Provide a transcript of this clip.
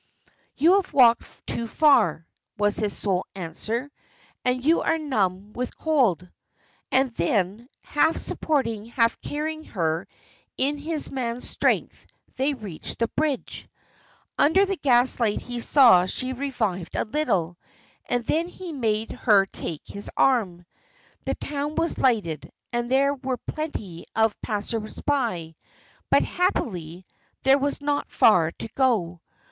"You have walked too far," was his sole answer, "and you are numb with cold." And then, half supporting, half carrying her in his man's strength, they reached the bridge. Under the gaslight he saw she had revived a little, and then he made her take his arm. The town was lighted, and there were plenty of passers by; but, happily, there was not far to go.